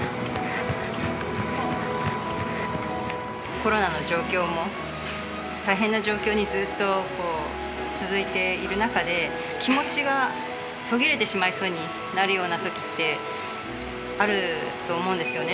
コロナの状況も大変な状況にずっと続いている中で、気持ちが途切れてしまいそうになるときってあると思うんですよね。